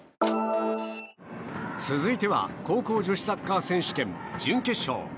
続いては高校女子サッカー選手権準決勝。